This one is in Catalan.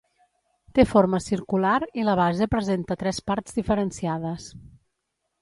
Té forma circular i la base presenta tres parts diferenciades.